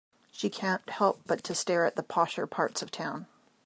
She can't help but to stare at the posher parts of town.